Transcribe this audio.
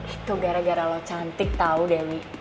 itu gara gara lo cantik tahu dewi